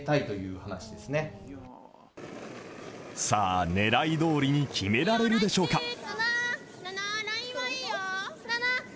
さあ狙い通りに決められるでしょうか？